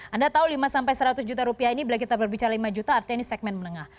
anda tahu lima sampai seratus juta rupiah ini bila kita berbicara lima juta artinya ini segmen menengah